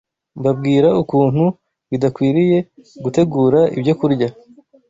mbabwira ukuntu bidakwiriye gutegura ibyokurya